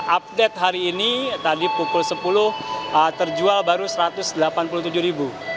update hari ini tadi pukul sepuluh terjual baru satu ratus delapan puluh tujuh ribu